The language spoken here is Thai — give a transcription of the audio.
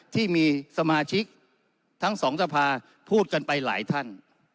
ที่มีสมาชิกทั้งสองสภาพูดกันไปหลายท่าน